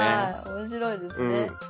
面白いですね。